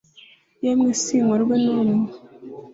yemwe sinkorwe n'urume